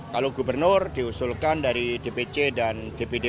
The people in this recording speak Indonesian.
kalau gubernur diusulkan dari dpc dan dpd